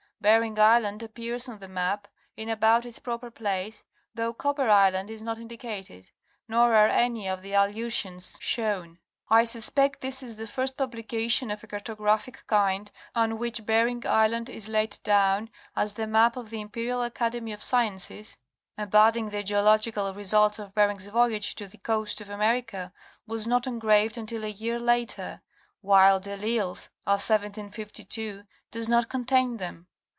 Bering island appears on the map, in about its proper place, though Copper island is not indicated, nor are any of the Aleutians shown. I suspect this is the first publication of a carto graphic kind on which Bering island is laid down, as the map of the Imperial Academy of Sciences, embodying the geographical results of Bering's Voyage to the coast of America, was not engraved until a vear later, while De L'Isle's of 1752 does not contain them.